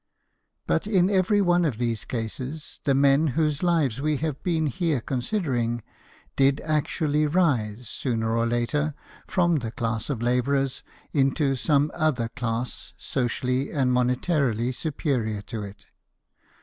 But in every one of these cases, the men whose lives we have been here considering did actually rise, sooner or later, from the class of labourers into some other class socially and monetarily superior to it.